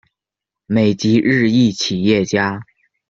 美籍日裔企业家。